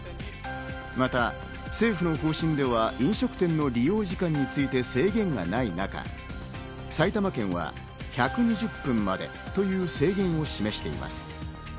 また政府の方針では飲食店の利用時間について制限がない中、埼玉県は１２０分までという制限を示しています。